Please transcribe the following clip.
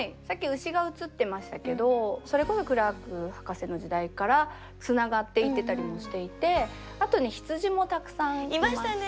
さっき牛が映ってましたけどそれこそクラーク博士の時代からつながっていってたりもしていてあとね羊もたくさんいました。